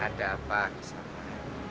ada apa kisana